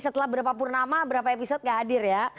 setelah berapa purnama berapa episode gak hadir ya